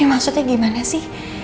ini maksudnya gimana sih